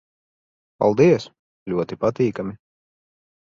Paldies. Ļoti patīkami...